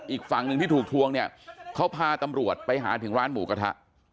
อีกฝั่งหนึ่งที่ถูกทวงเนี่ยเขาพาตำรวจไปหาถึงร้านหมูกระทะ